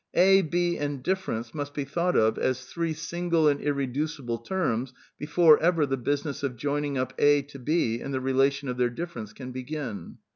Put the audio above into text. " A," '' B," and '' difference," must be thought of as three single and irreducible terms before ever the busi ness of joining up A to B in the relation of their difference / can begin.